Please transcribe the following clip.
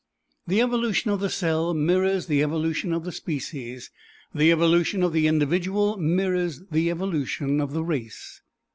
The evolution of the cell mirrors the evolution of the species: the evolution of the individual mirrors the evolution of the race.